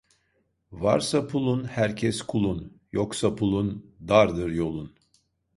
Varsa pulun, herkes kulun; yoksa pulun, dardır yolun.